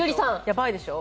やばいでしょ。